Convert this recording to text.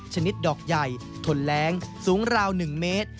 ชนิดดอกใหญ่ทนแรงสูงราว๑เมตร